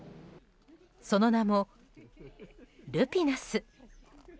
その名も、ルピナス。